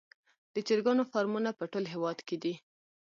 د چرګانو فارمونه په ټول هیواد کې دي